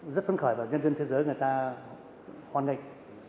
rất phấn khởi và nhân dân thế giới người ta hoan nghênh